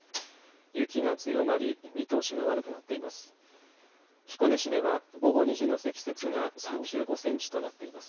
雪が強まり見通しが悪くなっています。